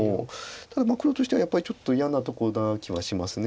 ただ黒としてはやっぱりちょっと嫌なとこな気はします。